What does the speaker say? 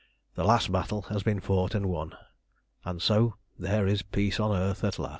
The last battle has been fought and won, and so there is peace on earth at last!"